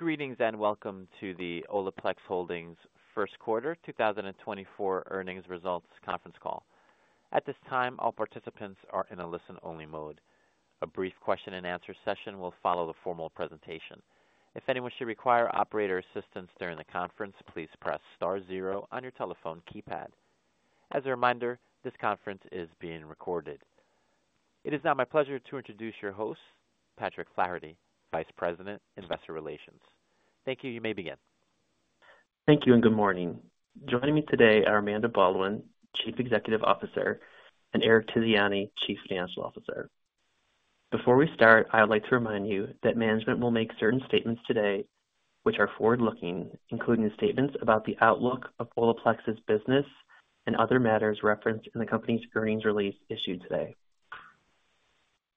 Greetings, and welcome to the Olaplex Holdings Q1 2024 earnings results conference call. At this time, all participants are in a listen-only mode. A brief question and answer session will follow the formal presentation. If anyone should require operator assistance during the conference, please press star zero on your telephone keypad. As a reminder, this conference is being recorded. It is now my pleasure to introduce your host, Patrick Flaherty, Vice President, Investor Relations. Thank you. You may begin. Thank you, and good morning. Joining me today are Amanda Baldwin, Chief Executive Officer, and Eric Tiziani, Chief Financial Officer. Before we start, I would like to remind you that management will make certain statements today, which are forward-looking, including statements about the outlook of Olaplex's business and other matters referenced in the company's earnings release issued today.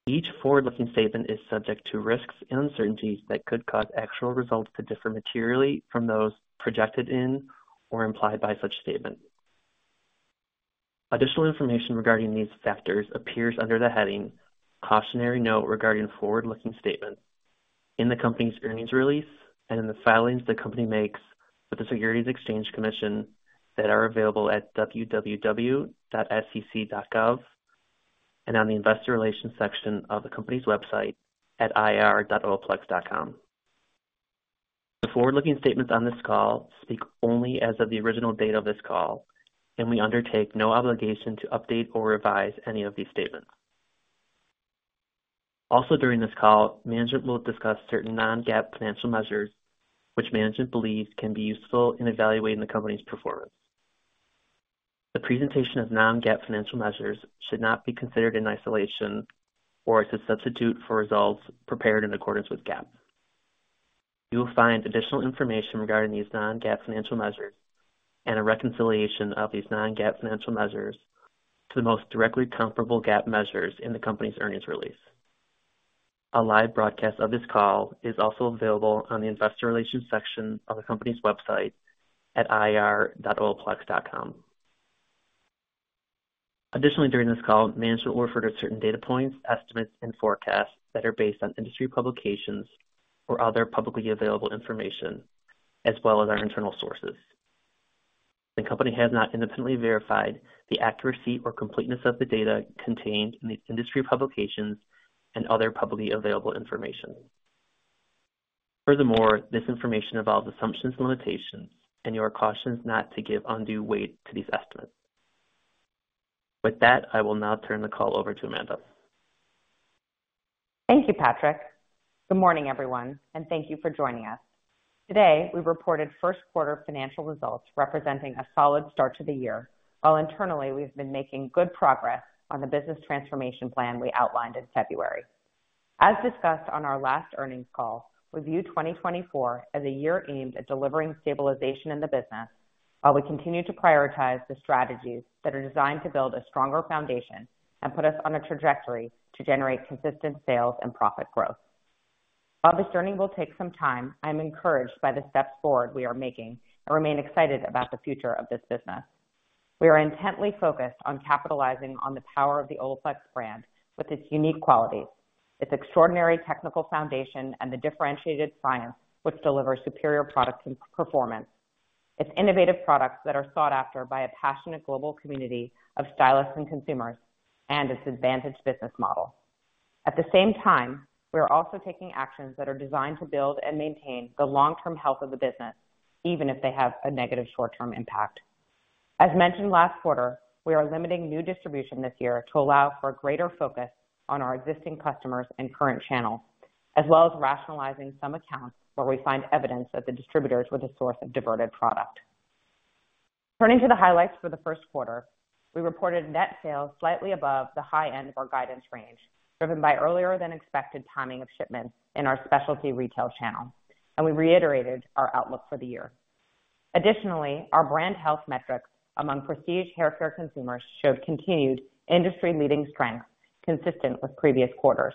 Each forward-looking statement is subject to risks and uncertainties that could cause actual results to differ materially from those projected in or implied by such statement. Additional information regarding these factors appears under the heading "Cautionary Note Regarding Forward-Looking Statements" in the company's earnings release and in the filings the company makes with the Securities and Exchange Commission that are available at www.sec.gov and on the Investor Relations section of the company's website at ir.olaplex.com. The forward-looking statements on this call speak only as of the original date of this call, and we undertake no obligation to update or revise any of these statements. Also, during this call, management will discuss certain Non-GAAP financial measures, which management believes can be useful in evaluating the company's performance. The presentation of Non-GAAP financial measures should not be considered in isolation or as a substitute for results prepared in accordance with GAAP. You will find additional information regarding these Non-GAAP financial measures and a reconciliation of these Non-GAAP financial measures to the most directly comparable GAAP measures in the company's earnings release. A live broadcast of this call is also available on the Investor Relations section of the company's website at ir.olaplex.com. Additionally, during this call, management will refer to certain data points, estimates, and forecasts that are based on industry publications or other publicly available information, as well as our internal sources. The company has not independently verified the accuracy or completeness of the data contained in these industry publications and other publicly available information. Furthermore, this information involves assumptions and limitations, and you are cautioned not to give undue weight to these estimates. With that, I will now turn the call over to Amanda. Thank you, Patrick. Good morning, everyone, and thank you for joining us. Today, we reported Q1 financial results representing a solid start to the year, while internally, we've been making good progress on the business transformation plan we outlined in February. As discussed on our last earnings call, we view 2024 as a year aimed at delivering stabilization in the business, while we continue to prioritize the strategies that are designed to build a stronger foundation and put us on a trajectory to generate consistent sales and profit growth. While this journey will take some time, I'm encouraged by the steps forward we are making and remain excited about the future of this business. We are intently focused on capitalizing on the power of the Olaplex brand with its unique qualities, its extraordinary technical foundation, and the differentiated science, which delivers superior product and performance, its innovative products that are sought after by a passionate global community of stylists and consumers, and its advantaged business model. At the same time, we are also taking actions that are designed to build and maintain the long-term health of the business, even if they have a negative short-term impact. As mentioned last quarter, we are limiting new distribution this year to allow for greater focus on our existing customers and current channels, as well as rationalizing some accounts where we find evidence that the distributors were the source of diverted product. Turning to the highlights for the Q1, we reported net sales slightly above the high end of our guidance range, driven by earlier than expected timing of shipments in our Specialty Retail channel, and we reiterated our outlook for the year. Additionally, our brand health metrics among Prestige Haircare consumers showed continued industry-leading strength consistent with previous quarters.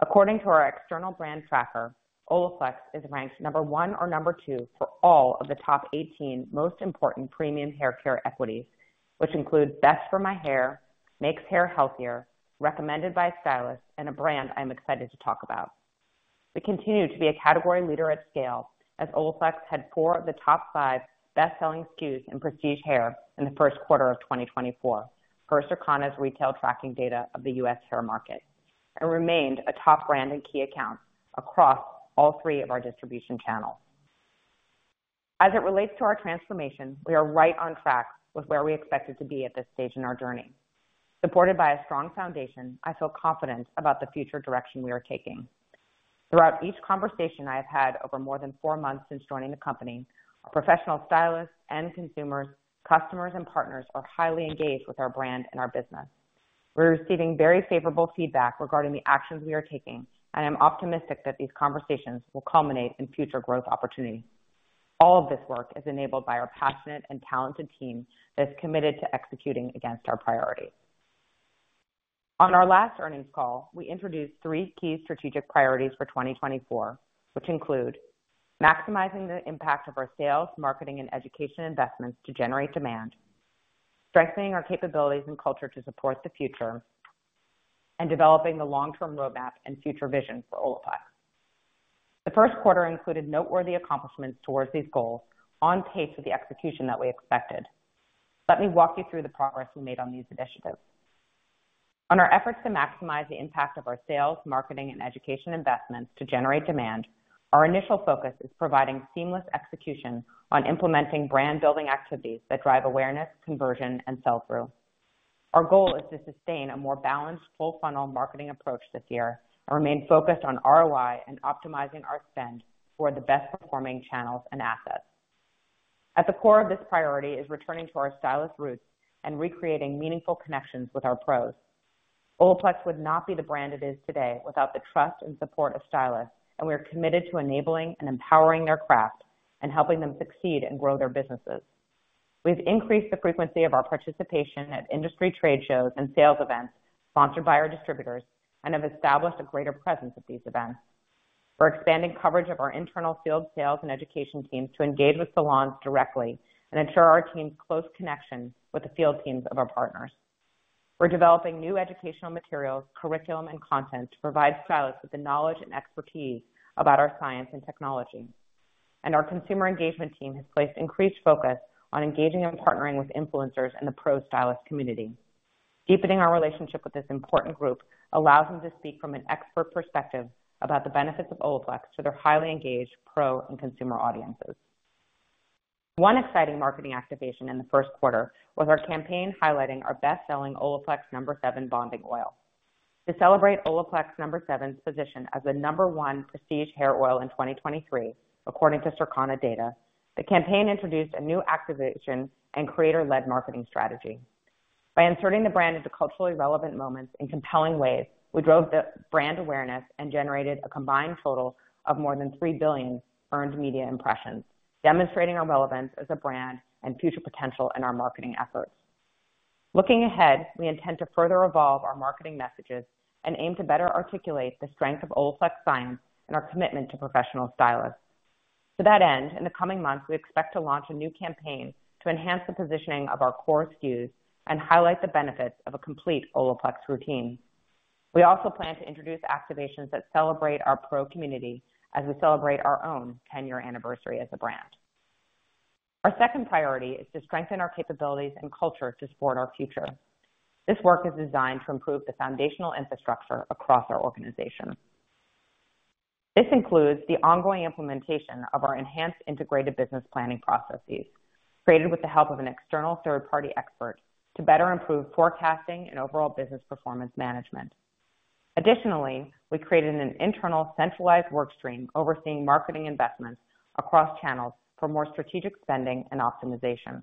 According to our external brand tracker, Olaplex is ranked number one or number two for all of the top 18 most important premium haircare equities, which include Best for My Hair, Makes Hair Healthier, Recommended by a Stylist, and A Brand I'm Excited to Talk About. We continue to be a category leader at scale, as Olaplex had four of the top five best-selling SKUs in prestige hair in the Q1 of 2024 per Circana's retail tracking data of the U.S. hair market, and remained a top brand in key accounts across all three of our distribution channels. As it relates to our transformation, we are right on track with where we expected to be at this stage in our journey. Supported by a strong foundation, I feel confident about the future direction we are taking. Throughout each conversation I have had over more than four months since joining the company, our professional stylists and consumers, customers, and partners are highly engaged with our brand and our business. We're receiving very favorable feedback regarding the actions we are taking, and I'm optimistic that these conversations will culminate in future growth opportunities. All of this work is enabled by our passionate and talented team that is committed to executing against our priorities. On our last earnings call, we introduced three key strategic priorities for 2024, which include maximizing the impact of our sales, marketing, and education investments to generate demand, strengthening our capabilities and culture to support the future. And developing the long-term roadmap and future vision for Olaplex. The Q1 included noteworthy accomplishments towards these goals, on pace with the execution that we expected. Let me walk you through the progress we made on these initiatives. On our efforts to maximize the impact of our sales, marketing, and education investments to generate demand, our initial focus is providing seamless execution on implementing brand-building activities that drive awareness, conversion, and sell-through. Our goal is to sustain a more balanced, full-funnel marketing approach this year and remain focused on ROI and optimizing our spend for the best-performing channels and assets. At the core of this priority is returning to our stylist roots and recreating meaningful connections with our pros. Olaplex would not be the brand it is today without the trust and support of stylists, and we are committed to enabling and empowering their craft and helping them succeed and grow their businesses. We've increased the frequency of our participation at industry trade shows and sales events sponsored by our distributors and have established a greater presence at these events. We're expanding coverage of our internal field sales and education teams to engage with salons directly and ensure our team's close connection with the field teams of our partners. We're developing new educational materials, curriculum, and content to provide stylists with the knowledge and expertise about our science and technology. Our consumer engagement team has placed increased focus on engaging and partnering with influencers in the pro stylist community. Deepening our relationship with this important group allows them to speak from an expert perspective about the benefits of Olaplex to their highly engaged pro and consumer audiences. One exciting marketing activation in the Q1 was our campaign highlighting our best-selling Olaplex No. 7 Bonding Oil. To celebrate Olaplex No. 7's position as the No. one prestige hair oil in 2023, according to Circana data, the campaign introduced a new activation and creator-led marketing strategy. By inserting the brand into culturally relevant moments in compelling ways, we drove the brand awareness and generated a combined total of more than $3 billion earned media impressions, demonstrating our relevance as a brand and future potential in our marketing efforts. Looking ahead, we intend to further evolve our marketing messages and aim to better articulate the strength of Olaplex science and our commitment to professional stylists. To that end, in the coming months, we expect to launch a new campaign to enhance the positioning of our core SKUs and highlight the benefits of a complete Olaplex routine. We also plan to introduce activations that celebrate our pro community as we celebrate our own 10-year anniversary as a brand. Our second priority is to strengthen our capabilities and culture to support our future. This work is designed to improve the foundational infrastructure across our organization. This includes the ongoing implementation of our enhanced integrated business planning processes, created with the help of an external third-party expert, to better improve forecasting and overall business performance management. Additionally, we created an internal centralized workstream overseeing marketing investments across channels for more strategic spending and optimization.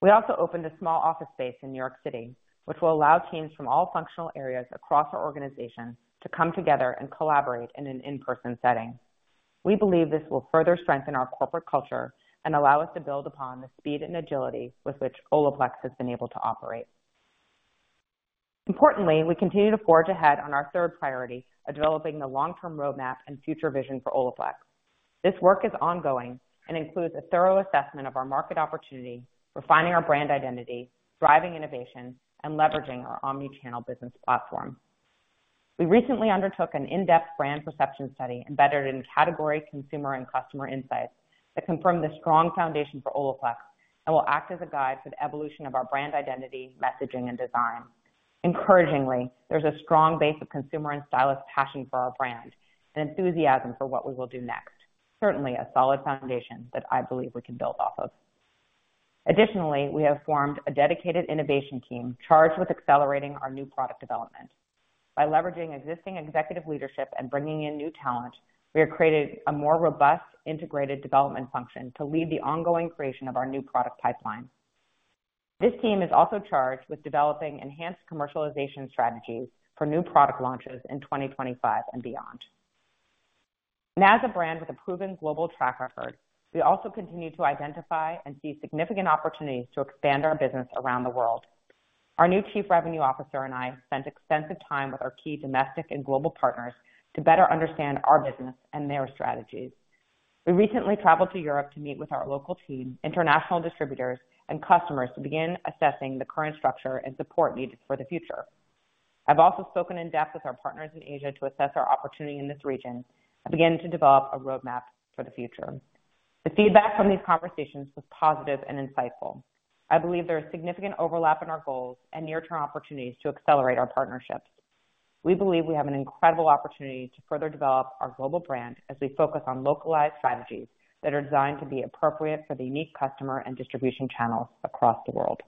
We also opened a small office space in New York City, which will allow teams from all functional areas across our organization to come together and collaborate in an in-person setting. We believe this will further strengthen our corporate culture and allow us to build upon the speed and agility with which Olaplex has been able to operate. Importantly, we continue to forge ahead on our third priority of developing the long-term roadmap and future vision for Olaplex. This work is ongoing and includes a thorough assessment of our market opportunity, refining our brand identity, driving innovation, and leveraging our omni-channel business platform. We recently undertook an in-depth brand perception study embedded in category, consumer, and customer insights that confirmed the strong foundation for Olaplex and will act as a guide for the evolution of our brand identity, messaging, and design. Encouragingly, there's a strong base of consumer and stylist passion for our brand and enthusiasm for what we will do next. Certainly, a solid foundation that I believe we can build off of. Additionally, we have formed a dedicated innovation team charged with accelerating our new product development. By leveraging existing executive leadership and bringing in new talent, we have created a more robust integrated development function to lead the ongoing creation of our new product pipeline. This team is also charged with developing enhanced commercialization strategies for new product launches in 2025 and beyond. As a brand with a proven global track record, we also continue to identify and see significant opportunities to expand our business around the world. Our new Chief Revenue Officer and I spent extensive time with our key domestic and global partners to better understand our business and their strategies. We recently traveled to Europe to meet with our local team, international distributors, and customers to begin assessing the current structure and support needed for the future. I've also spoken in depth with our partners in Asia to assess our opportunity in this region and begin to develop a roadmap for the future. The feedback from these conversations was positive and insightful. I believe there is significant overlap in our goals and near-term opportunities to accelerate our partnerships. We believe we have an incredible opportunity to further develop our global brand as we focus on localized strategies that are designed to be appropriate for the unique customer and distribution channels across the world.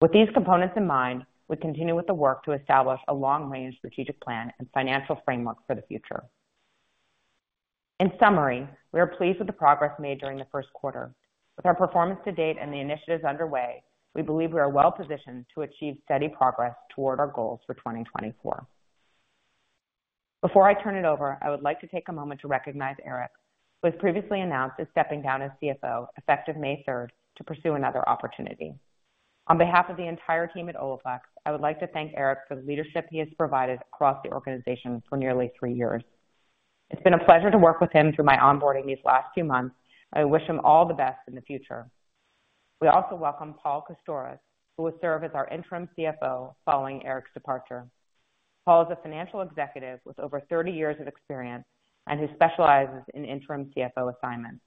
With these components in mind, we continue with the work to establish a long-range strategic plan and financial framework for the future. In summary, we are pleased with the progress made during the Q1. With our performance to date and the initiatives underway, we believe we are well positioned to achieve steady progress toward our goals for 2024. Before I turn it over, I would like to take a moment to recognize Eric, who has previously announced he's stepping down as CFO, effective May third, to pursue another opportunity. On behalf of the entire team at Olaplex, I would like to thank Eric for the leadership he has provided across the organization for nearly three years. It's been a pleasure to work with him through my onboarding these last few months, and I wish him all the best in the future. We also welcome Paul Kosturos, who will serve as our Interim CFO following Eric's departure. Paul is a financial executive with over 30 years of experience and who specializes in Interim CFO assignments.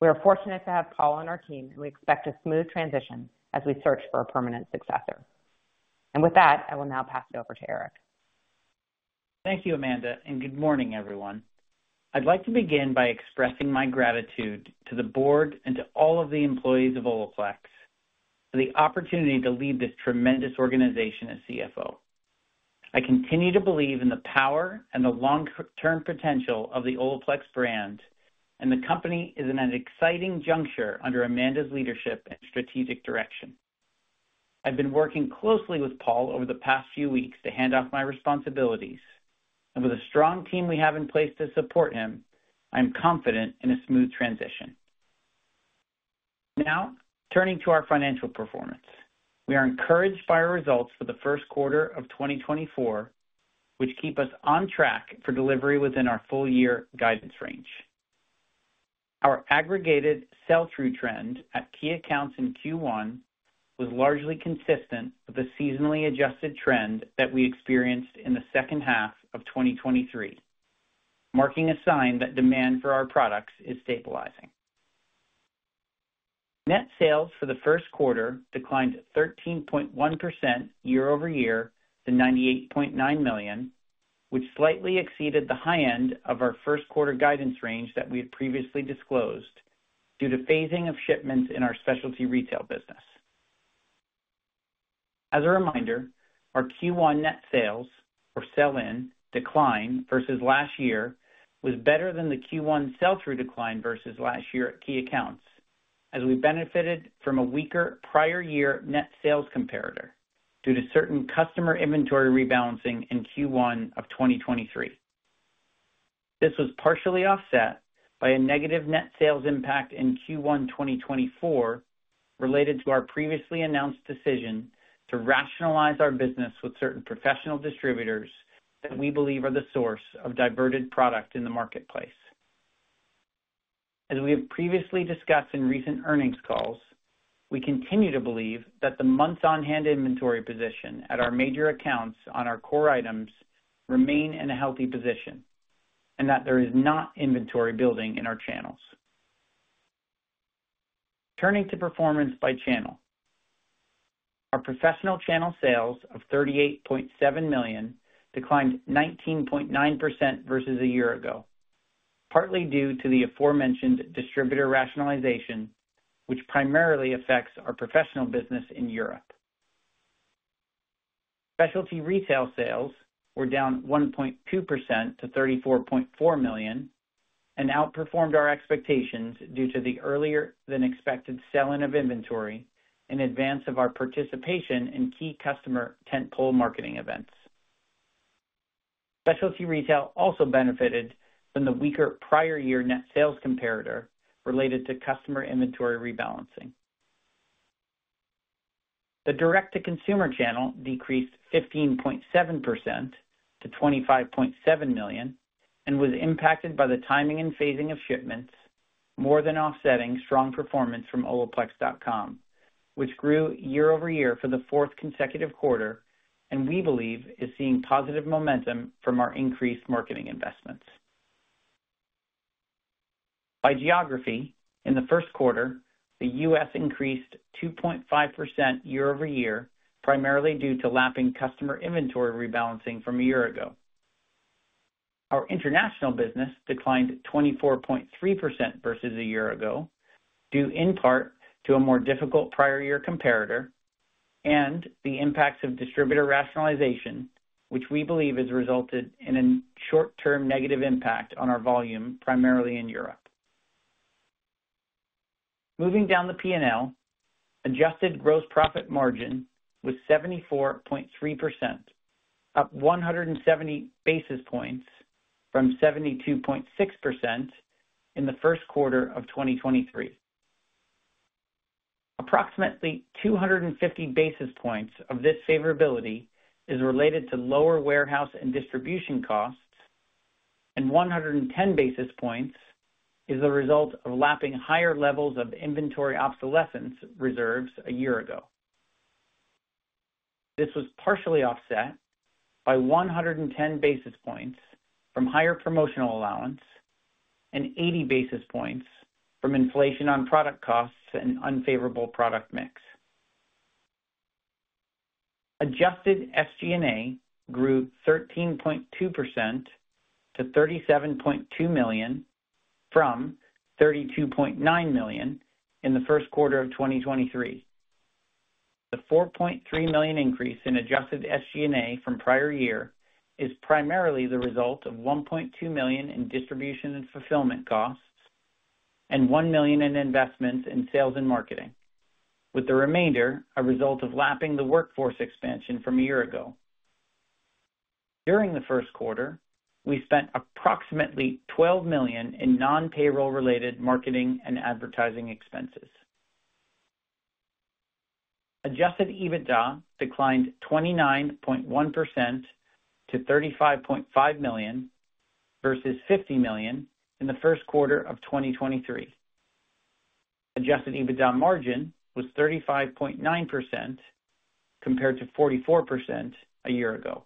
We are fortunate to have Paul on our team, and we expect a smooth transition as we search for a permanent successor. With that, I will now pass it over to Eric. Thank you, Amanda, and good morning, everyone. I'd like to begin by expressing my gratitude to the Board and to all of the employees of Olaplex for the opportunity to lead this tremendous organization as CFO. I continue to believe in the power and the long-term potential of the Olaplex brand, and the company is in an exciting juncture under Amanda's leadership and strategic direction. I've been working closely with Paul over the past few weeks to hand off my responsibilities, and with the strong team we have in place to support him, I'm confident in a smooth transition. Now, turning to our financial performance. We are encouraged by our results for the Q1 of 2024, which keep us on track for delivery within our full year guidance range. Our aggregated sell-through trend at key accounts in Q1 was largely consistent with the seasonally adjusted trend that we experienced in the second half of 2023, marking a sign that demand for our products is stabilizing. Net sales for the Q1 declined 13.1% year-over-year to $98.9 million, which slightly exceeded the high end of our Q1 guidance range that we had previously disclosed due to phasing of shipments in our specialty retail business. As a reminder, our Q1 net sales or sell-in decline versus last year was better than the Q1 sell-through decline versus last year at key accounts, as we benefited from a weaker prior year net sales comparator due to certain customer inventory rebalancing in Q1 of 2023. This was partially offset by a negative net sales impact in Q1 2024, related to our previously announced decision to rationalize our business with certain professional distributors that we believe are the source of diverted product in the marketplace. As we have previously discussed in recent earnings calls, we continue to believe that the months on hand inventory position at our major accounts on our core items remain in a healthy position and that there is not inventory building in our channels. Turning to performance by channel. Our professional channel sales of $38.7 million declined 19.9% versus a year ago, partly due to the aforementioned distributor rationalization, which primarily affects our professional business in Europe. Specialty Retail sales were down 1.2% to $34.4 million and outperformed our expectations due to the earlier than expected sell-in of inventory in advance of our participation in key customer tentpole marketing events. Specialty Retail also benefited from the weaker prior year net sales comparator related to customer inventory rebalancing. The Direct-to-Consumer channel decreased 15.7% to $25.7 million and was impacted by the timing and phasing of shipments, more than offsetting strong performance from olaplex.com, which grew year-over-year for the fourth consecutive quarter, and we believe is seeing positive momentum from our increased marketing investments. By geography, in the Q1, the U.S. increased 2.5% year-over-year, primarily due to lapping customer inventory rebalancing from a year ago. Our international business declined 24.3% versus a year ago, due in part to a more difficult prior year comparator and the impacts of distributor rationalization, which we believe has resulted in a short-term negative impact on our volume, primarily in Europe. Moving down the P&L, adjusted gross profit margin was 74.3%, up 170 basis points from 72.6% in the Q1 of 2023. Approximately 250 basis points of this favorability is related to lower warehouse and distribution costs, and 110 basis points is a result of lapping higher levels of inventory obsolescence reserves a year ago. This was partially offset by 110 basis points from higher promotional allowance and 80 basis points from inflation on product costs and unfavorable product mix. Adjusted SG&A grew 13.2% to $37.2 million, from $32.9 million in the Q1 of 2023. The $4.3 million increase in adjusted SG&A from prior year is primarily the result of $1.2 million in distribution and fulfillment costs and $1 million in investments in sales and marketing, with the remainder a result of lapping the workforce expansion from a year ago. During the Q1, we spent approximately $12 million in non-payroll related marketing and advertising expenses. Adjusted EBITDA declined 29.1% to $35.5 million, versus $50 million in the Q1 of 2023. Adjusted EBITDA margin was 35.9% compared to 44% a year ago.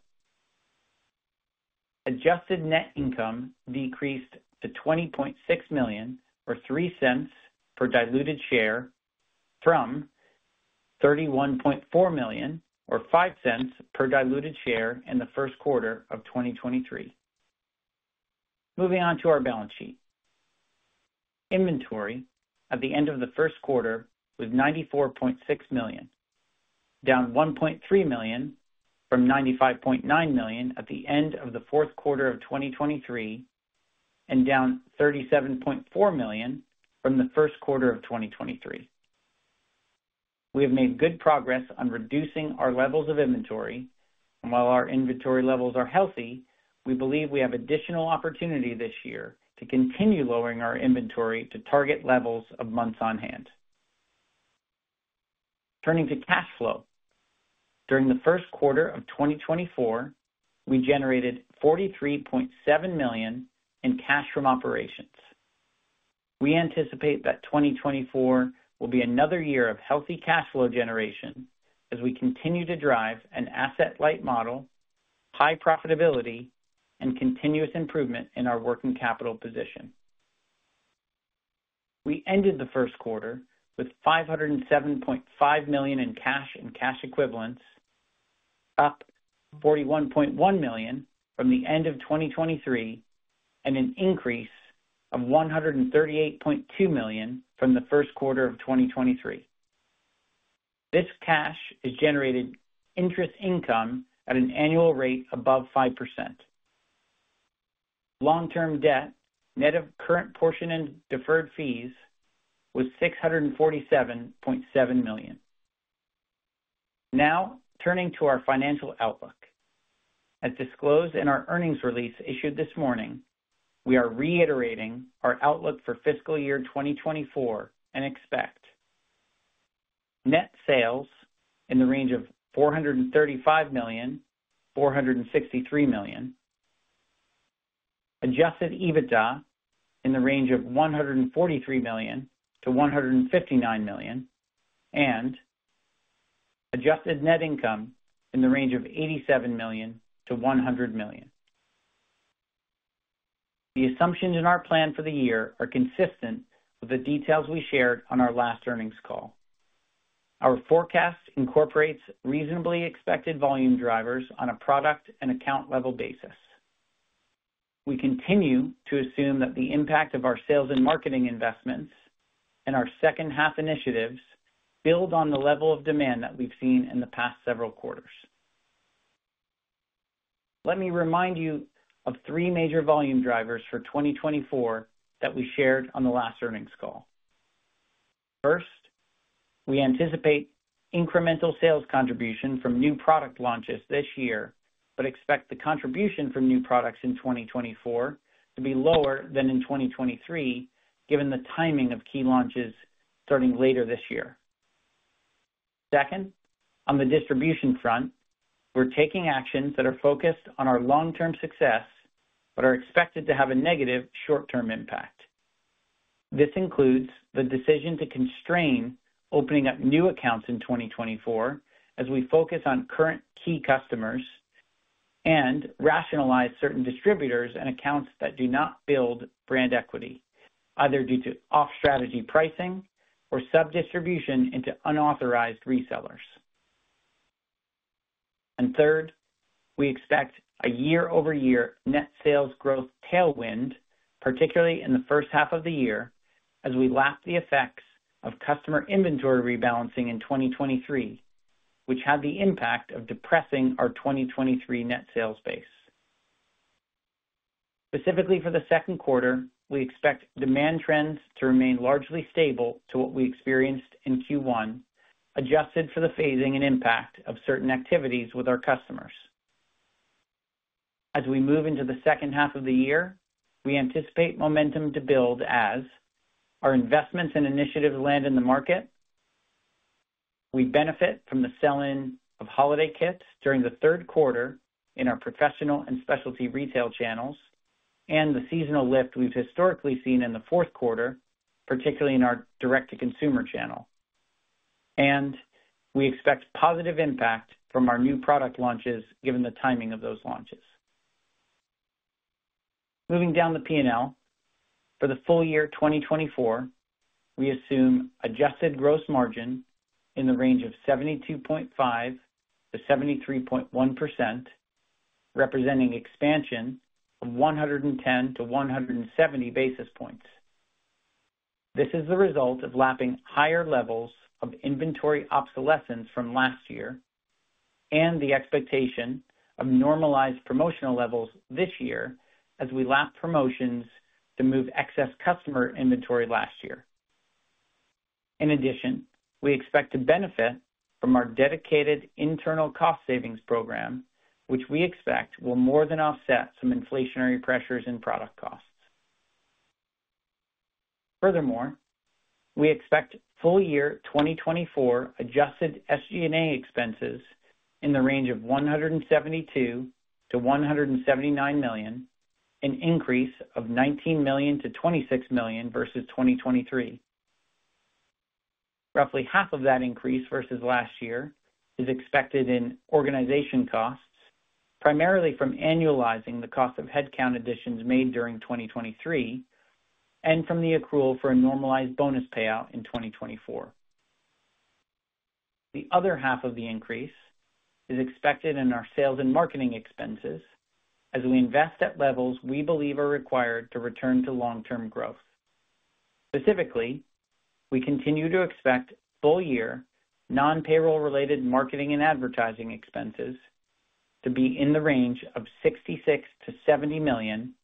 Adjusted net income decreased to $20.6 million, or $0.03 per diluted share, from $31.4 million, or $0.05 per diluted share in the Q1 of 2023. Moving on to our balance sheet. Inventory at the end of the Q1 was $94.6 million, down $1.3 million from $95.9 million at the end of the Q4 of 2023, and down $37.4 million from the Q1 of 2023. We have made good progress on reducing our levels of inventory, and while our inventory levels are healthy, we believe we have additional opportunity this year to continue lowering our inventory to target levels of months on hand. Turning to cash flow. During the Q1 of 2024, we generated $43.7 million in cash from operations. We anticipate that 2024 will be another year of healthy cash flow generation as we continue to drive an asset-light model, high profitability, and continuous improvement in our working capital position. We ended the Q1 with $507.5 million in cash and cash equivalents, up $41.1 million from the end of 2023, and an increase of $138.2 million from the Q1 of 2023. This cash has generated interest income at an annual rate above 5%. Long-term debt, net of current portion and deferred fees, was $647.7 million. Now, turning to our financial outlook. As disclosed in our earnings release issued this morning, we are reiterating our outlook for fiscal year 2024 and expect net sales in the range of $435-$463 million, adjusted EBITDA in the range of $143-$159 million, and adjusted net income in the range of $87-$100 million. The assumptions in our plan for the year are consistent with the details we shared on our last earnings call. Our forecast incorporates reasonably expected volume drivers on a product and account level basis. We continue to assume that the impact of our sales and marketing investments and our second-half initiatives build on the level of demand that we've seen in the past several quarters. Let me remind you of three major volume drivers for 2024 that we shared on the last earnings call. First, we anticipate incremental sales contribution from new product launches this year, but expect the contribution from new products in 2024 to be lower than in 2023, given the timing of key launches starting later this year. Second, on the distribution front, we're taking actions that are focused on our long-term success but are expected to have a negative short-term impact. This includes the decision to constrain opening up new accounts in 2024 as we focus on current key customers and rationalize certain distributors and accounts that do not build brand equity, either due to off-strategy pricing or sub-distribution into unauthorized resellers. And third, we expect a year-over-year net sales growth tailwind, particularly in the first half of the year, as we lap the effects of customer inventory rebalancing in 2023, which had the impact of depressing our 2023 net sales base. Specifically for the Q2, we expect demand trends to remain largely stable to what we experienced in Q1, adjusted for the phasing and impact of certain activities with our customers. As we move into the second half of the year, we anticipate momentum to build as our investments and initiatives land in the market. We benefit from the sell-in of holiday kits during the Q3 in our professional and specialty retail channels, and the seasonal lift we've historically seen in the Q4, particularly in our direct-to-consumer channel. And we expect positive impact from our new product launches, given the timing of those launches. Moving down the P&L, for the full year 2024, we assume adjusted gross margin in the range of 72.5%-73.1%, representing expansion of 110-170 basis points. This is the result of lapping higher levels of inventory obsolescence from last year and the expectation of normalized promotional levels this year as we lap promotions to move excess customer inventory last year. In addition, we expect to benefit from our dedicated internal cost savings program, which we expect will more than offset some inflationary pressures in product costs. Furthermore, we expect full year 2024 adjusted SG&A expenses in the range of $172-179 million, an increase of $19-$26 million versus 2023. Roughly half of that increase versus last year is expected in organization costs, primarily from annualizing the cost of headcount additions made during 2023 and from the accrual for a normalized bonus payout in 2024. The other half of the increase is expected in our sales and marketing expenses as we invest at levels we believe are required to return to long-term growth. Specifically, we continue to expect full year non-payroll related marketing and advertising expenses to be in the range of $66-$70 million,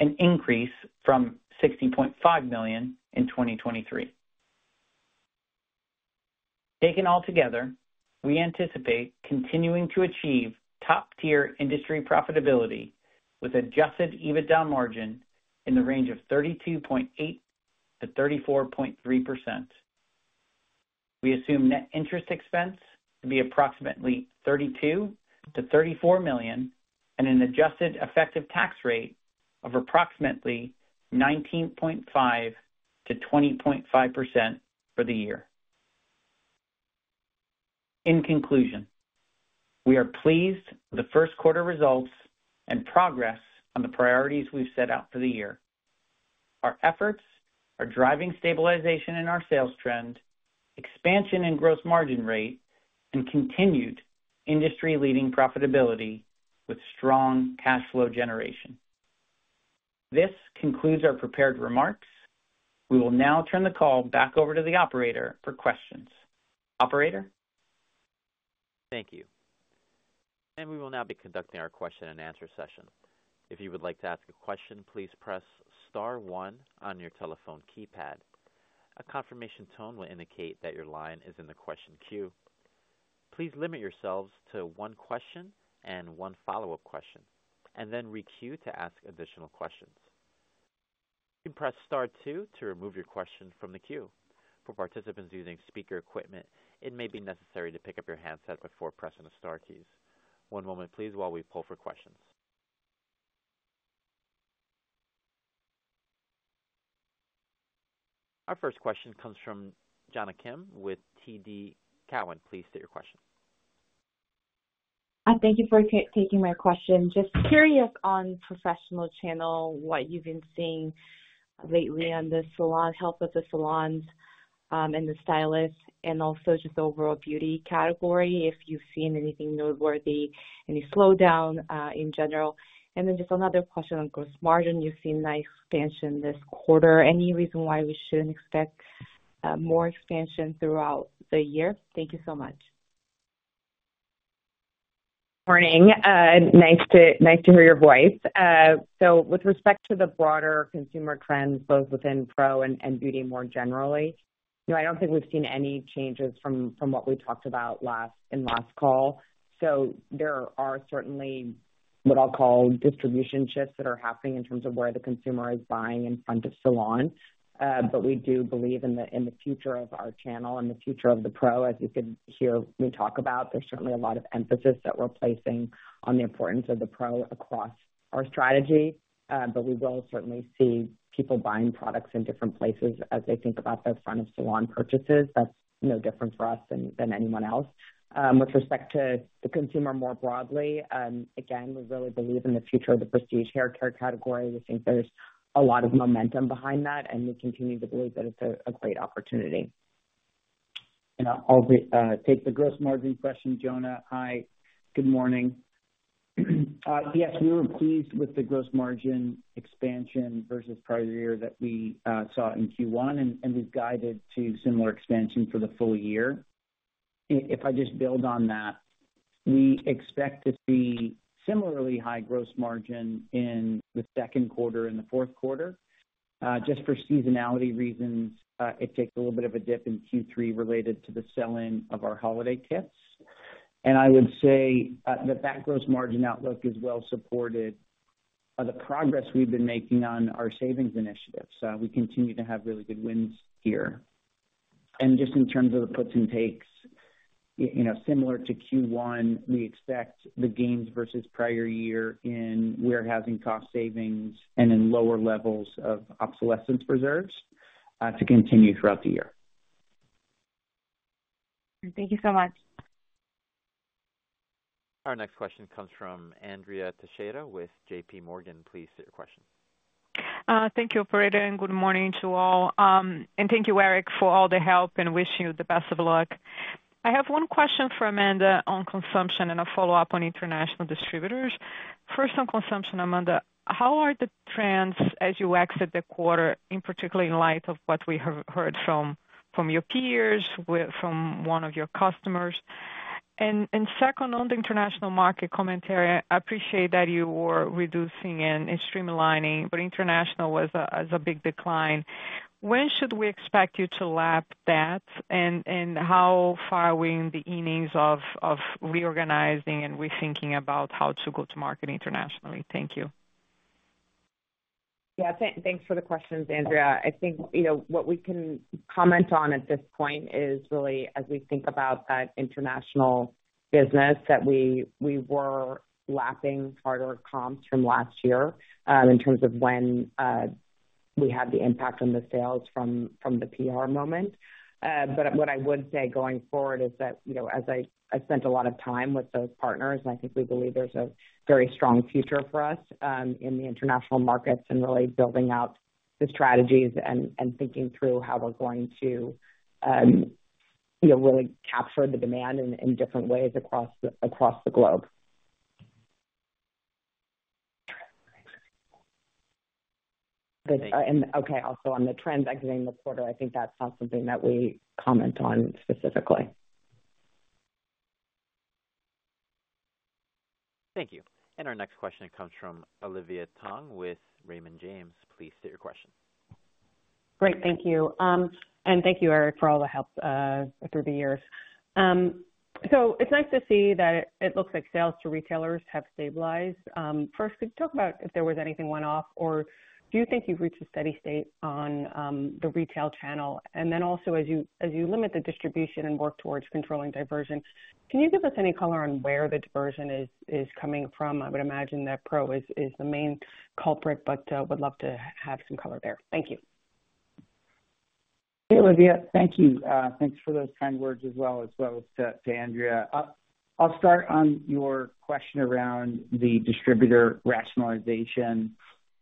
an increase from $60.5 million in 2023. Taken altogether, we anticipate continuing to achieve top-tier industry profitability with Adjusted EBITDA margin in the range of 32.8%-34.3%. We assume net interest expense to be approximately $32-$34 million and an adjusted effective tax rate of approximately 19.5%-20.5% for the year. In conclusion, we are pleased with the Q1 results and progress on the priorities we've set out for the year. Our efforts are driving stabilization in our sales trend, expansion in gross margin rate, and continued industry-leading profitability with strong cash flow generation. This concludes our prepared remarks. We will now turn the call back over to the operator for questions. Operator? Thank you. We will now be conducting our question and answer session. If you would like to ask a question, please press star one on your telephone keypad. A confirmation tone will indicate that your line is in the question queue. Please limit yourselves to one question and one follow-up question, and then re-queue to ask additional questions. You can press star two to remove your question from the queue. For participants using speaker equipment, it may be necessary to pick up your handset before pressing the star keys. One moment, please, while we pull for questions. Our first question comes from Jonna Kim with TD Cowen. Please state your question. Thank you for taking my question. Just curious on professional channel, what you've been seeing lately on the salon health of the salons, and the stylists, and also just the overall beauty category, if you've seen anything noteworthy, any slowdown in general? Then just another question on gross margin. You've seen nice expansion this quarter. Any reason why we shouldn't expect more expansion throughout the year? Thank you so much. Morning. Nice to, nice to hear your voice. With respect to the broader consumer trends, both within pro and, and beauty, more generally, you know, I don't think we've seen any changes from, from what we talked about last in last call. There are certainly what I'll call distribution shifts that are happening in terms of where the consumer is buying in front of salon. But we do believe in the, in the future of our channel and the future of the pro as you could hear me talk about, there's certainly a lot of emphasis that we're placing on the importance of the pro across our strategy, but we will certainly see people buying products in different places as they think about their front-of-salon purchases. That's no different for us than, than anyone else. With respect to the consumer more broadly, again, we really believe in the future of the Prestige Haircare category. We think there's a lot of momentum behind that, and we continue to believe that it's a great opportunity. And I'll take the gross margin question, Jonna. Good morning. Yes, we were pleased with the gross margin expansion versus prior year that we saw in Q1, and we've guided to similar expansion for the full year. If I just build on that, we expect to see similarly high gross margin in the Q2 and the Q4. Just for seasonality reasons, it takes a little bit of a dip in Q3 related to the sell-in of our holiday kits. And I would say that that gross margin outlook is well supported by the progress we've been making on our savings initiatives. We continue to have really good wins here. Just in terms of the puts and takes, you know, similar to Q1, we expect the gains versus prior year in warehousing cost savings and in lower levels of obsolescence reserves to continue throughout the year. Thank you so much. Our next question comes from Andrea Teixeira with JPMorgan. Please state your question. Thank you, operator, and good morning to all. And thank you, Eric, for all the help, and wish you the best of luck. I have one question for Amanda on consumption and a follow-up on international distributors. First, on consumption, Amanda, how are the trends? as you exit the quarter, in particular in light of what we have heard from your peers from one of your customers? Second, on the international market commentary, I appreciate that you were reducing and streamlining, but international was, is a big decline. When should we expect you to lap that? and how far are we in the innings of reorganizing and rethinking about how to go to market internationally? Thank you. Thanks for the questions, Andrea. I think, you know, what we can comment on at this point is really as we think about that international business, that we were lapping harder comps from last year in terms of when we had the impact on the sales from the PR moment. But what I would say going forward is that, you know, as I spent a lot of time with those partners, and I think we believe there's a very strong future for us in the international markets and really building out the strategies and thinking through how we're going to, you know, really capture the demand in different ways across the globe. Okay, also on the trends exiting the quarter, I think that's not something that we comment on specifically. Thank you. Our next question comes from Olivia Tong with Raymond James. Please state your question. Great, thank you. And thank you, Eric, for all the help through the years. It's nice to see that it looks like sales to retailers have stabilized. First, could you talk about if there was anything one-off? or do you think you've reached a steady state on the retail channel? Then also, as you limit the distribution and work towards controlling diversion, can you give us any color on where the diversion is coming from? I would imagine that Pro is the main culprit, but would love to have some color there. Thank you. Hey, Olivia. Thank you. Thanks for those kind words as well to Andrea. I'll start on your question around the distributor rationalization.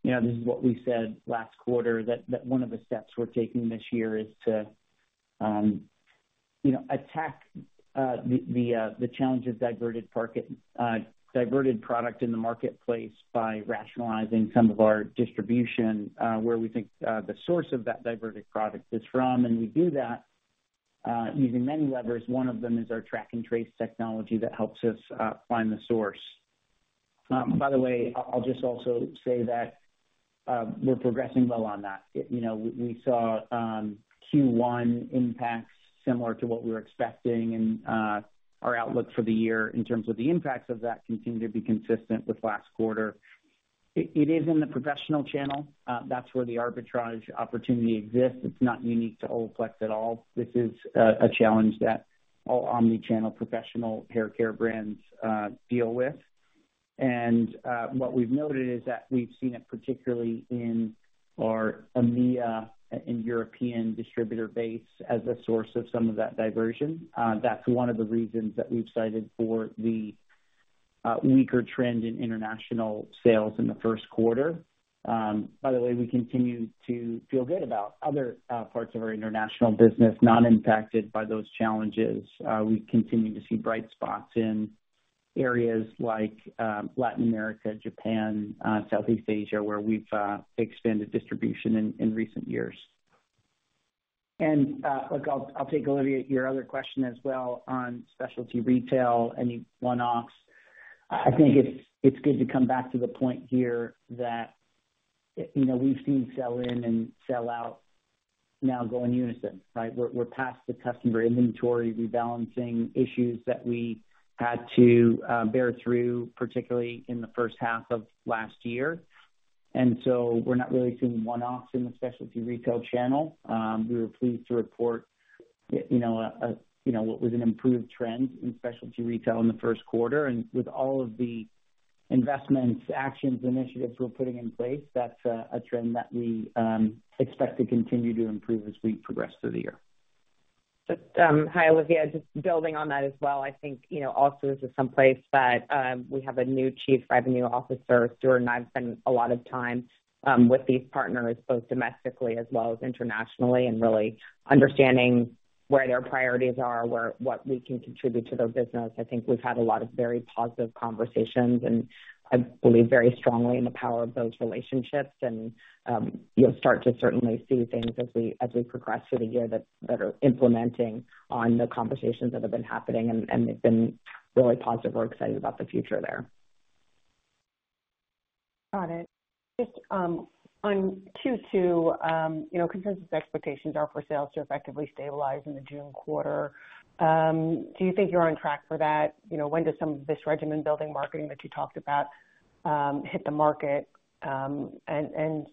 You know, this is what we said last quarter, that one of the steps we're taking this year is to attack the challenge of diverted product in the marketplace by rationalizing some of our distribution where we think the source of that diverted product is from and we do that using many levers one of them is our track and trace technology that helps us find the source. By the way, I'll just also say that we're progressing well on that you know, we saw Q1 impacts similar to what we were expecting, and our outlook for the year in terms of the impacts of that continue to be consistent with last quarter. It is in the professional channel, that's where the arbitrage opportunity exists it's not unique to Olaplex at all. This is a challenge that all omni-channel professional hair care brands deal with. What we've noted is that we've seen it particularly in our EMEA and European distributor base as a source of some of that diversion. That's one of the reasons that we've cited for the weaker trend in international sales in the Q1. By the way, we continue to feel good about other parts of our international business not impacted by those challenges. We continue to see bright spots in areas like Latin America, Japan, Southeast Asia, where we've expanded distribution in recent years. And look, I'll take Olivia, your other question as well on specialty retail, any one-offs. I think it's good to come back to the point here that, you know, we've seen sell-in and sell-through now go in unison, right? We're past the customer inventory rebalancing issues that we had to bear through, particularly in the first half of last year, and we're not really seeing one-offs in the specialty retail channel. We were pleased to report, you know, what was an improved trend in specialty retail in the Q1, and with all of the investments, actions, initiatives we're putting in place, that's a trend that we expect to continue to improve as we progress through the year. Olivia, just building on that as well i think, you know, also this is someplace that we have a new Chief Revenue Officer Stuart and I have spent a lot of time with these partners, both domestically as well as internationally, and really understanding where their priorities are, where what we can contribute to their business i think we've had a lot of very positive conversations, and I believe very strongly in the power of those relationships. You'll start to certainly see things as we, as we progress through the year, that are implementing on the conversations that have been happening, and they've been really positive we're excited about the future there. Got it. Just, on Q2, you know, consensus expectations are for sales to effectively stabilize in the June quarter. Do you think you're on track for that? You know, when does some of this regimen building marketing that you talked about, hit the market? You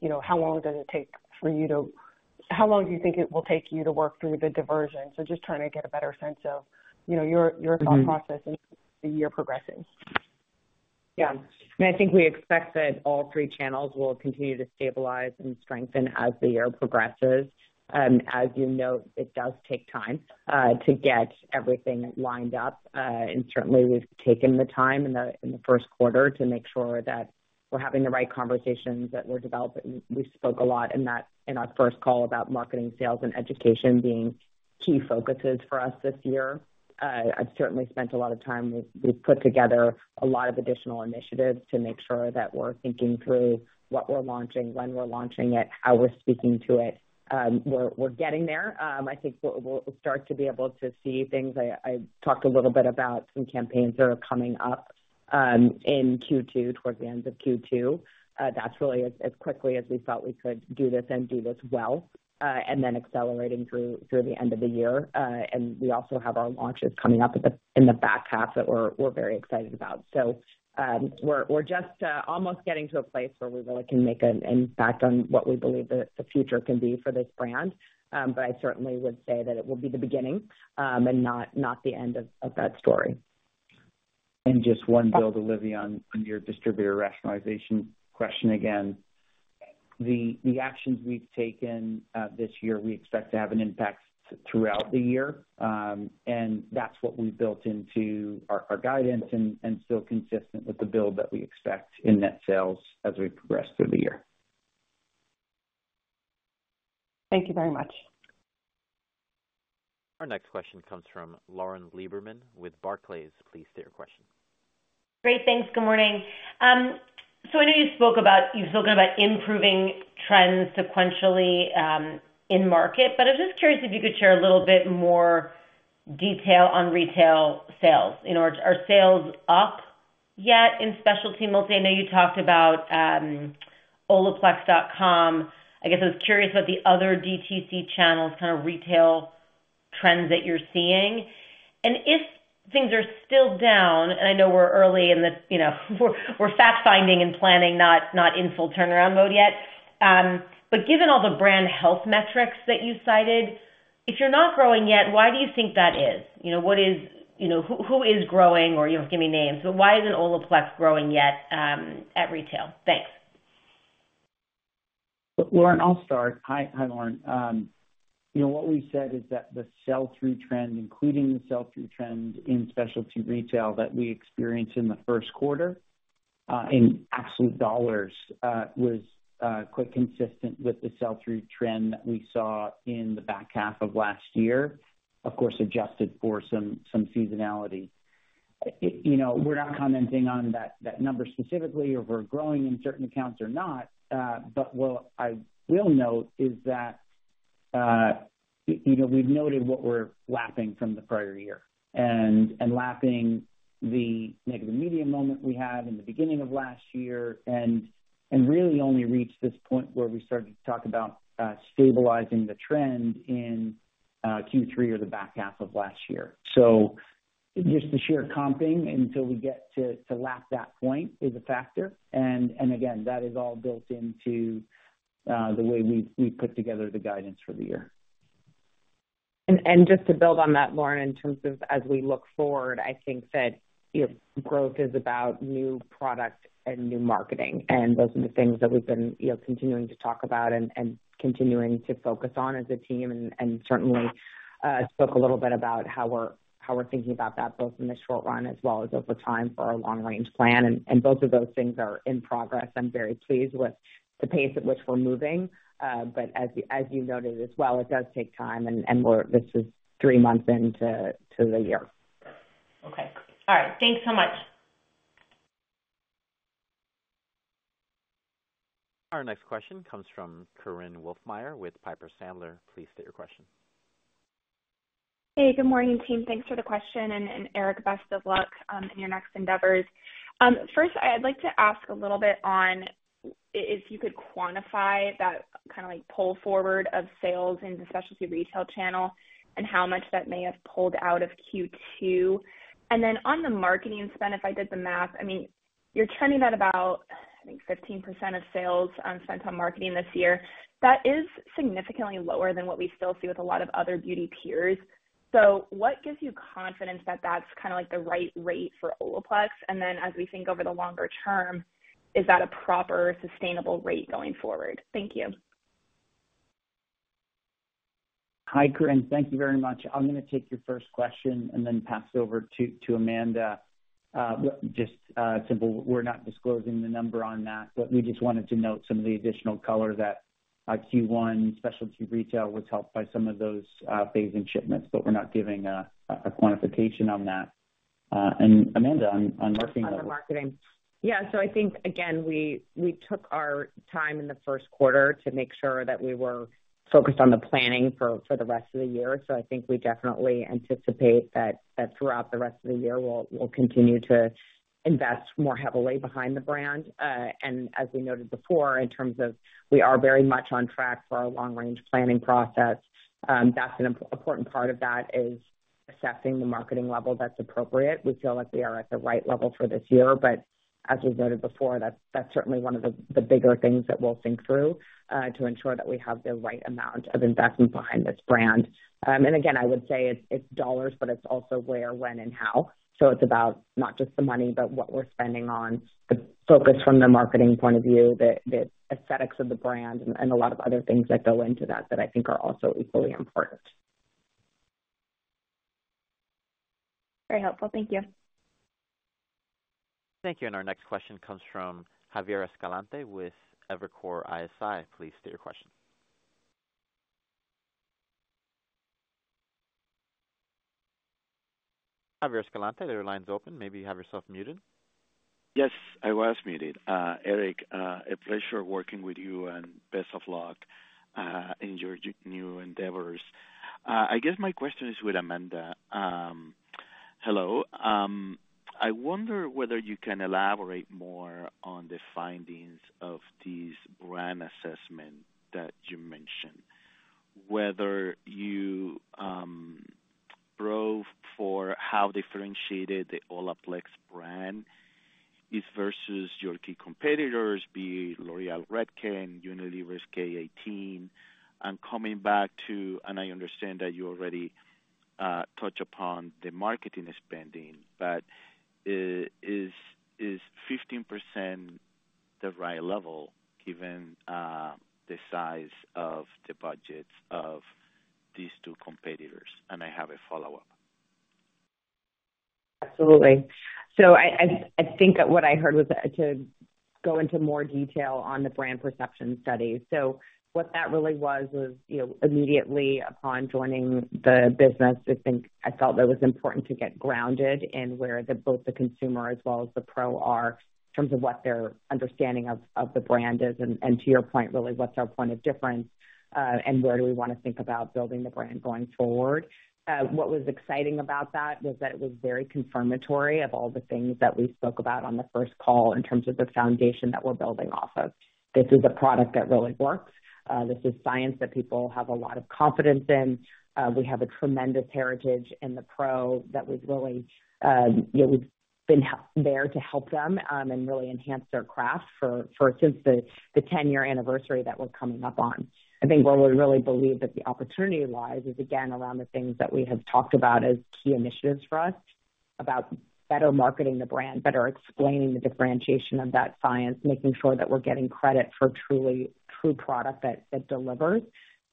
know, how long does it take for you to-- How long do you think it will take you to work through the diversion? So just trying to get a better sense of, you know, your- Mm-hmm... your thought process as the year progresses. And I think we expect that all three channels will continue to stabilize and strengthen as the year progresses. As you know, it does take time to get everything lined up, and certainly we've taken the time in the Q1 to make sure that we're having the right conversations, that we're developing we spoke a lot in our first call about marketing, sales, and education being key focuses for us this year. I've certainly spent a lot of time we've put together a lot of additional initiatives to make sure that we're thinking through what we're launching, when we're launching it, how we're speaking to it. We're getting there. I think we'll start to be able to see things i talked a little bit about some campaigns that are coming up in Q2, towards the end of Q2. That's really as quickly as we thought we could do this and do this well, and then accelerating through the end of the year. We also have our launches coming up in the back half that we're very excited about. We're just almost getting to a place where we really can make an impact on what we believe the future can be for this brand. But I certainly would say that it will be the beginning and not the end of that story. Just one build, Olivia, on your distributor rationalization question again. The actions we've taken this year, we expect to have an impact throughout the year. That's what we built into our guidance and still consistent with the build that we expect in net sales as we progress through the year. Thank you very much. Our next question comes from Lauren Lieberman with Barclays. Please state your question. Great, thanks. Good morning. I know you spoke about improving trends sequentially, in market, but I'm just curious if you could share a little bit more detail on retail sales. Are sales up? yet in specialty retail? I know you talked about olaplex.com. I guess I was curious about the other DTC channels, kind of retail trends that you're seeing. And if things are still down, and I know we're early in this, you know, we're fact-finding and planning, not in full turnaround mode yet. But given all the brand health metrics that you cited, if you're not growing yet, why do you think that is? You know, what is... You know, who is growing? Or you don't have to give me names, but why isn't Olaplex growing yet, at retail? Thanks. Lauren. You know, what we said is that the sell-through trend, including the sell-through trend in specialty retail that we experienced in the Q1, in absolute dollars, was quite consistent with the sell-through trend that we saw in the back half of last year, of course, adjusted for some, some seasonality. You know, we're not commenting on that, that number specifically, or if we're growing in certain accounts or not. But what I will note is that, you know, we've noted what we're lapping from the prior year and, and lapping the negative media moment we had in the beginning of last year, and, and really only reached this point where we started to talk about stabilizing the trend in Q3 or the back half of last year. Just the sheer comping until we get to lap that point is a factor. Again, that is all built into the way we put together the guidance for the year. Just to build on that, Lauren, in terms of as we look forward, I think that, you know, growth is about new product and new marketing, and those are the things that we've been, you know, continuing to talk about and continuing to focus on as a team and certainly spoke a little bit about how we're thinking about that, both in the short run as well as over time for our long-range plan both of those things are in progress i'm very pleased with the pace at which we're moving. But as you noted as well, it does take time, and we're, this is three months into the year. Okay. All right. Thanks so much. Our next question comes from Korinne Wolfmeyer with Piper Sandler. Please state your question. Hey, good morning, team. Thanks for the question, and Eric, best of luck in your next endeavors. First, I'd like to ask a little bit on if you could quantify that, kind of like, pull forward of sales in the specialty retail channel and how much that may have pulled out of Q2. And then on the marketing spend, if I did the math, I mean, you're trending at about, I think, 15% of sales spent on marketing this year. That is significantly lower than what we still see with a lot of other beauty peers. What gives you confidence that that's kind of like the right rate for Olaplex? Then, as we think over the longer term, is that a proper, sustainable rate going forward? Thank you. Hi, Korinne. Thank you very much. I'm going to take your first question and then pass it over to Amanda. Just simple, we're not disclosing the number on that, but we just wanted to note some of the additional color that Q1 specialty retail was helped by some of those phasing shipments, but we're not giving a quantification on that. And Amanda, on marketing- On the marketing. I think, again, we took our time in the Q1 to make sure that we were focused on the planning for the rest of the year i think we definitely anticipate that throughout the rest of the year, we'll continue to invest more heavily behind the brand and as we noted before, in terms of we are very much on track for our long-range planning process. That's an important part of that is assessing the marketing level that's appropriate. We feel like we are at the right level for this year, but as we've noted before, that's certainly one of the bigger things that we'll think through, to ensure that we have the right amount of investment behind this brand. Again, I would say it's dollars, but it's also where, when, and how. It's about not just the money, but what we're spending on, the focus from the marketing point of view, the aesthetics of the brand, and a lot of other things that go into that that I think are also equally important. Very helpful. Thank you. Thank you, and our next question comes from Javier Escalante with Evercore ISI. Please state your question. Javier Escalante, your line's open. Maybe you have yourself muted. Yes, I was muted. Eric, a pleasure working with you, and best of luck in your new endeavors. I guess my question is with Amanda. Hello. I wonder whether you can elaborate more on the findings of this brand assessment that you mentioned, whether you probed for how differentiated the Olaplex brand is versus your key competitors, be it L'Oréal, Redken, Unilever's K18. And coming back to, and I understand that you already touched upon the marketing spending, Is 15% the right level given the size of the budgets of these two competitors? And I have a follow-up. Absolutely. I think what I heard was to go into more detail on the brand perception study. What that really was, you know, immediately upon joining the business, I think I felt that it was important to get grounded in where both the consumer as well as the pro are, in terms of what their understanding of the brand is, and to your point, really, what's our point of difference, and where do we want to think about building the brand going forward? What was exciting about that was that it was very confirmatory of all the things that we spoke about on the first call in terms of the foundation that we're building off of. This is a product that really works. This is science that people have a lot of confidence in. We have a tremendous heritage in the pro that we've really, you know, we've been there to help them and really enhance their craft for since the 10-year anniversary that we're coming up on. I think where we really believe that the opportunity lies is, again, around the things that we have talked about as key initiatives for us, about better marketing the brand, better explaining the differentiation of that science, making sure that we're getting credit for truly true product that delivers,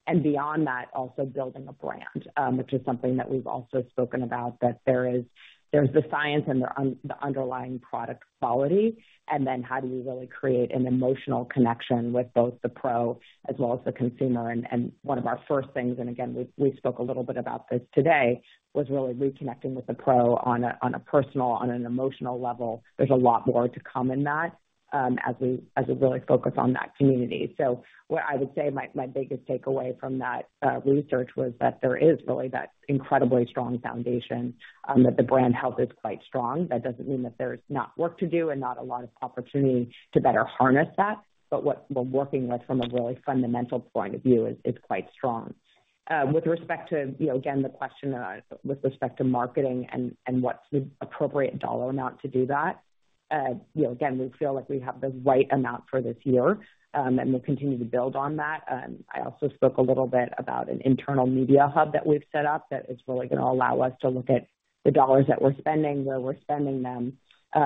and beyond that, also building a brand, which is something that we've also spoken about, that there is... There's the science and the underlying product quality, and then how do we really create an emotional connection with both the pro as well as the consumer? One of our first things, and again, we spoke a little bit about this today, was really reconnecting with the pro on a personal, on an emotional level there's a lot more to come in that, as we really focus on that community. What I would say my biggest takeaway from that research was that there is really that incredibly strong foundation, that the brand health is quite strong. That doesn't mean that there's not work to do and not a lot of opportunity to better harness that, but what we're working with from a really fundamental point of view is quite strong. With respect to, you know, again, the question, with respect to marketing and, and what's the appropriate dollar amount to do that, you know, again, we feel like we have the right amount for this year, and we'll continue to build on that. I also spoke a little bit about an internal media hub that we've set up that is really going to allow us to look at the dollars that we're spending, where we're spending them,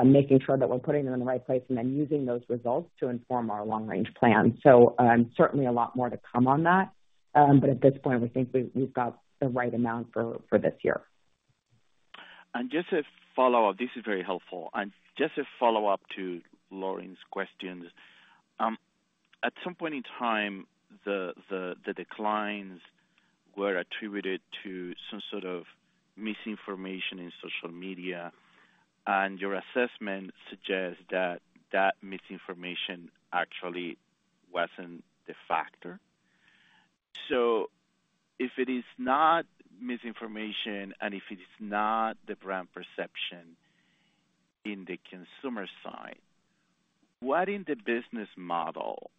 making sure that we're putting them in the right place, and then using those results to inform our long-range plan. Certainly a lot more to come on that, but at this point, we think we've, we've got the right amount for, for this year. Just a follow-up. This is very helpful. Just a follow-up to Lauren's questions. At some point in time, the declines were attributed to some sort of misinformation in social media, and your assessment suggests that that misinformation actually wasn't the factor. If it is not misinformation, and if it is not the brand perception in the consumer side, what in the business model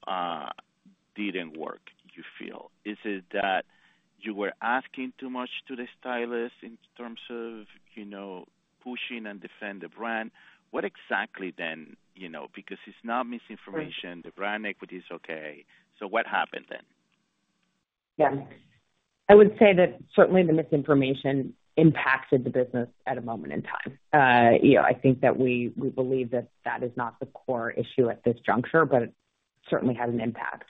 didn't work, you feel? Is it that you were asking too much to the stylists in terms of, you know, pushing and defend the brand? What exactly then, you know, because it's not misinformation, the brand equity is okay, so what happened then? I would say that certainly the misinformation impacted the business at a moment in time. You know, I think that we believe that that is not the core issue at this juncture, but it certainly had an impact.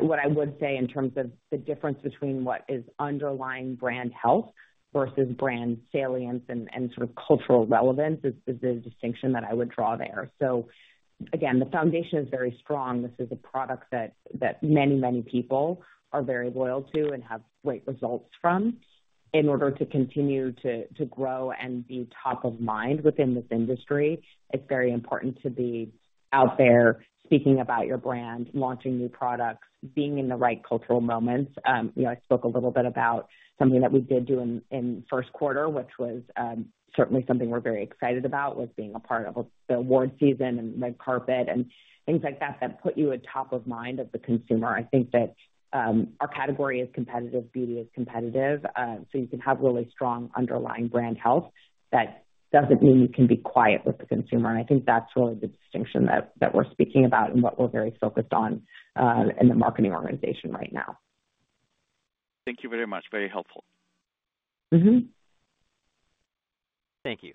What I would say in terms of the difference between what is underlying brand health versus brand salience and sort of cultural relevance is the distinction that I would draw there. Again, the foundation is very strong this is a product that many people are very loyal to and have great results from. In order to continue to grow and be top of mind within this industry, it's very important to be out there speaking about your brand, launching new products, being in the right cultural moments. I spoke a little bit about something that we did do in Q1, which was certainly something we're very excited about, was being a part of the award season and red carpet and things like that, that put you at top of mind of the consumer i think that our category is competitive, beauty is competitive you can have really strong underlying brand health. That doesn't mean you can be quiet with the consumer, and I think that's really the distinction that we're speaking about and what we're very focused on in the marketing organization right now. Thank you very much. Very helpful. Mm-hmm. Thank you.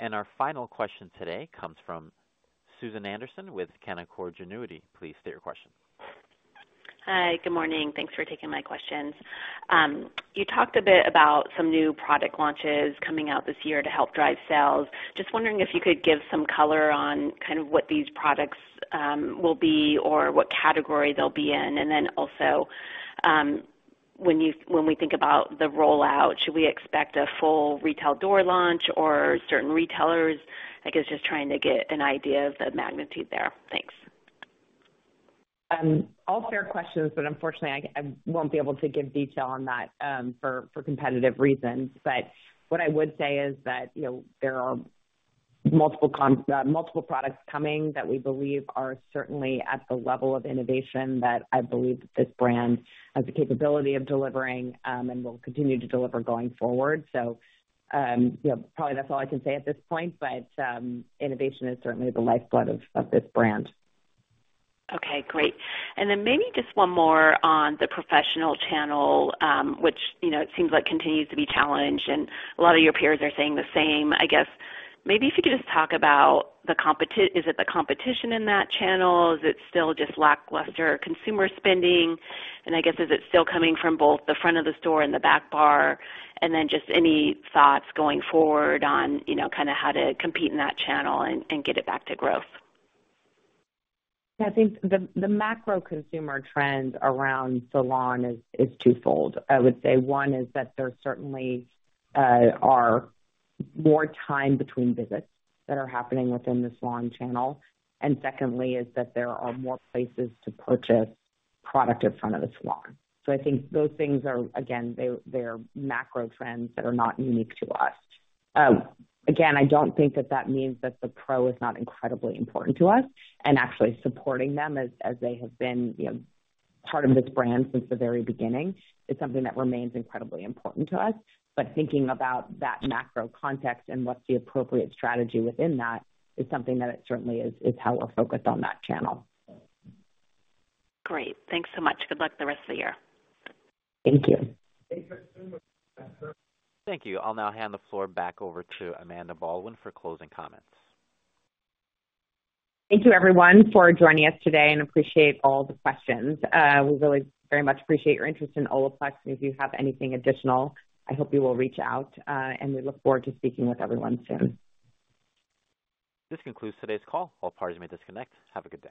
And our final question today comes from Susan Anderson with Canaccord Genuity. Please state your question. Hi, good morning. Thanks for taking my questions. You talked a bit about some new product launches coming out this year to help drive sales. Just wondering if you could give some color on kind of what these products will be, or what category they'll be in then also, When we think about the rollout, should we expect a full retail door launch or certain retailers? I guess just trying to get an idea of the magnitude there. Thanks. All fair questions, but unfortunately, I won't be able to give detail on that, for competitive reasons. What I would say is that, you know, there are multiple products coming that we believe are certainly at the level of innovation that I believe this brand has the capability of delivering, and will continue to deliver going forward. You know, probably that's all I can say at this point, but, innovation is certainly the lifeblood of this brand. ... Okay, great. Then maybe just one more on the professional channel, which, you know, it seems like continues to be challenged, and a lot of your peers are saying the same i guess maybe if you could just talk about is it the competition in that channel? Is it still just lackluster consumer spending? And I guess, is it still coming from both the front of the store and the back bar? And then just any thoughts going forward on, you know, kind of how to compete in that channel and get it back to growth. I think the macro consumer trends around salon is twofold i would say one is that there certainly are more time between visits that are happening within the salon channel, and secondly, is that there are more places to purchase product in front of the salon. I think those things are, again, they're macro trends that are not unique to us. Again, I don't think that that means that the pro is not incredibly important to us and actually supporting them as they have been, you know, part of this brand since the very beginning, is something that remains incredibly important to us. But thinking about that macro context and what's the appropriate strategy within that is something that certainly is how we're focused on that channel. Great. Thanks so much. Good luck the rest of the year. Thank you. Thank you. I'll now hand the floor back over to Amanda Baldwin for closing comments. Thank you, everyone, for joining us today and appreciate all the questions. We really very much appreciate your interest in Olaplex, and if you have anything additional, I hope you will reach out, and we look forward to speaking with everyone soon. This concludes today's call. All parties may disconnect. Have a good day.